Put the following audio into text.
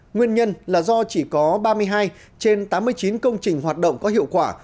nguyên nhân là do chỉ có ba mươi hai trên tám mươi chín công trình hoạt động có hiệu quả